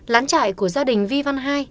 lán trại của gia đình vi văn hai